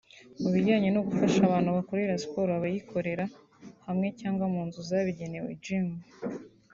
mu bijyanye no gufasha abantu bakoresha siporo abayikorera hamwe cyangwa mu nzu zabigenewe (Gyms)